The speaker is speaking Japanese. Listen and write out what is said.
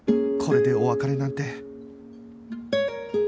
これでお別れなんて